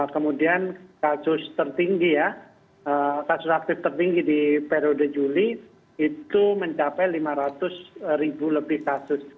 kemudian kasus tertinggi ya kasus aktif tertinggi di periode juli itu mencapai lima ratus ribu lebih kasus